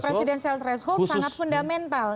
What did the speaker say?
presidensial threshold sangat fundamental